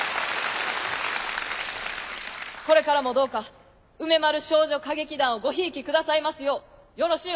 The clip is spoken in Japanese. これからもどうか梅丸少女歌劇団をごひいきくださいますようよろしゅう